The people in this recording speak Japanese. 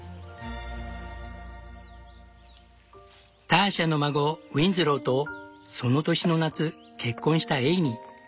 ターシャの孫ウィンズローとその年の夏結婚したエイミー。